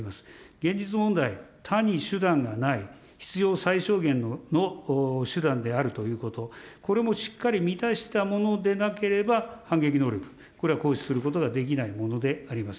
現実問題、他に手段がない必要最小限の手段であるということ、これもしっかり満たしたものでなければ、反撃能力、これは行使することができないものであります。